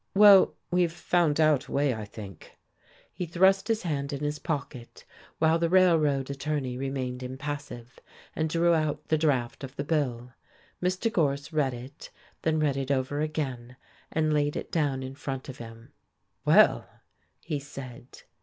Well, we've found out a way, I think." He thrust his hand in his pocket, while the railroad attorney remained impassive, and drew out the draft of the bill. Mr. Gorse read it, then read it over again, and laid it down in front of him. "Well," he said.